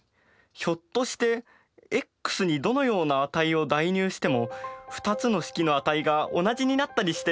ひょっとしてｘにどのような値を代入しても２つの式の値が同じになったりして。